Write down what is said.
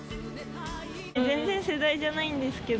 全然世代じゃないんですけど。